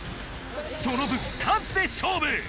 その分数で勝負！